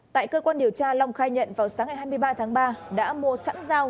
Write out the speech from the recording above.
tại cơ quan điều tra long khai nhận vào sáng ngày hai mươi ba tháng ba đã mua sẵn dao